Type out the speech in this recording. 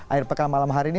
air pekan malam hari ini